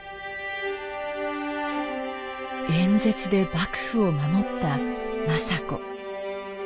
演説で幕府を守った政子。